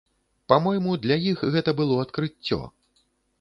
Па-мойму, для іх гэта было адкрыццё.